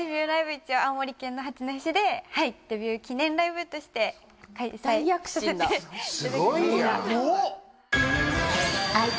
一応青森県の八戸市ではいデビュー記念ライブとして開催させていただきました